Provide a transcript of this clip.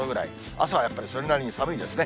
朝はやっぱりそれなりに寒いですね。